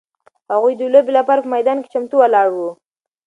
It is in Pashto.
هغوی د لوبې لپاره په میدان کې چمتو ولاړ وو.